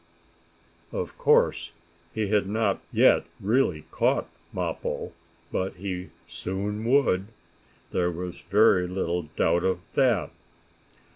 Of course he had not yet really caught Mappo, but he soon would; there was very little doubt of that.